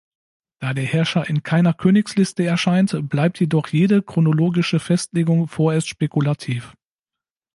Da der Herrscher in keiner Königsliste erscheint, bleibt jedoch jede chronologische Festlegung vorerst spekulativ.